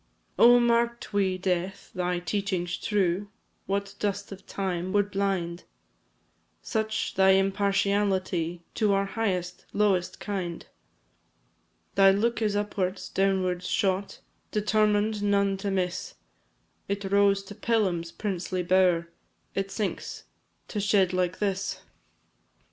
Oh, marked we, Death! thy teachings true, What dust of time would blind? Such thy impartiality To our highest, lowest kind. Thy look is upwards, downwards shot, Determined none to miss; It rose to Pelham's princely bower, It sinks to shed like this!